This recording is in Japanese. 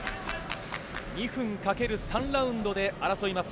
２分×３ラウンドで争います。